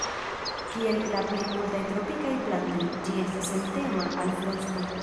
Kiel la plej multaj tropikaj plantoj, ĝi estas sentema al frosto.